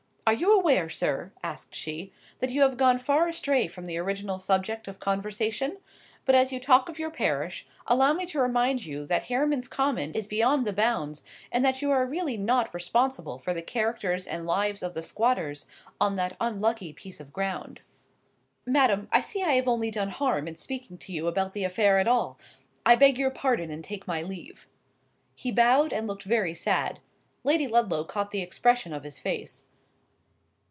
"Are you aware, sir," asked she, "that you have gone far astray from the original subject of conversation? But as you talk of your parish, allow me to remind you that Hareman's Common is beyond the bounds, and that you are really not responsible for the characters and lives of the squatters on that unlucky piece of ground." "Madam, I see I have only done harm in speaking to you about the affair at all. I beg your pardon and take my leave." He bowed, and looked very sad. Lady Ludlow caught the expression of his face.